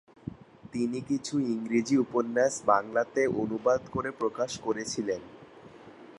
তিনি কিছু ইংরেজি উপন্যাস বাংলাতে অনুবাদ করে প্রকাশ করেছিলেন।